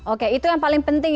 oke itu yang paling penting